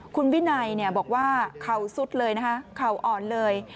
คุณวินัยบอกว่าเข่าสุดเลยนะคะเข่าอ่อนเลย